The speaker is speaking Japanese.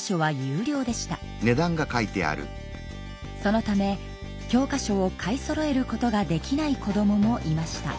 そのため教科書を買いそろえることができない子どももいました。